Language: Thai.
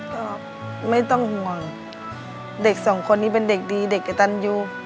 ก็ไม่ต้องห่วงเด็กสองคนนี้เป็นเด็กดีเด็กกระตันยู